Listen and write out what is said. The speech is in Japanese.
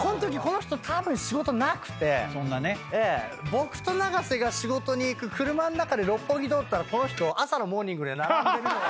僕と長瀬が仕事に行く車の中で六本木通ったらこの人朝のモーニングで並んでるのを。